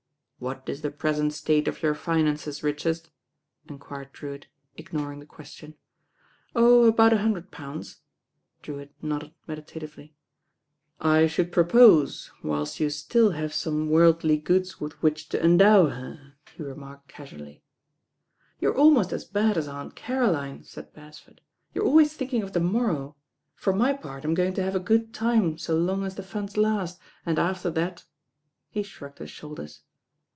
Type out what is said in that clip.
"What is the present state of your finances, Rich ard?" enquired Drewitt, ignoring the question. "Oh, about a hundred pounds." Drewitt nodded meditatively. "I should propose whilst you still have some LORD DREWTTT ON BiARRUGE li» worldly goods with which to endow her," he re marked casually. "You are ahnost as bad as Aunt Caroline," said Beresford. "You're always thinking of the mor row. For my part I'm going to have a good time so long as the funds last, and after that " he shrugged his shoulders.